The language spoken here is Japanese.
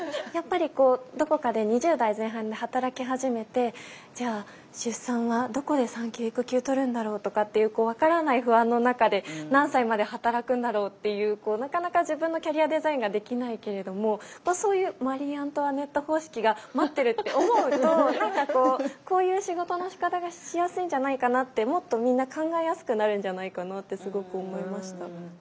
やっぱりこうどこかで２０代前半で働き始めてじゃあ出産はどこで産休育休取るんだろうとかっていう分からない不安の中で何歳まで働くんだろうっていうなかなか自分のキャリアデザインができないけれどもそういうマリーアントワネット方式が待ってるって思うと何かこうこういう仕事のしかたがしやすいんじゃないかなってもっとみんな考えやすくなるんじゃないかなってすごく思いました。